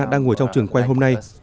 đang ngồi trong trường quay hôm nay